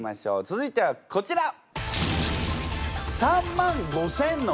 続いてはこちら！